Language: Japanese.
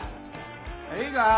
いいか？